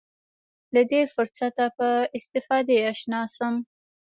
له دې فرصته په استفادې اشنا شم.